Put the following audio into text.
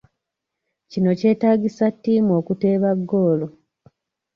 Kino kyetaagisa ttiimu okuteeba goal.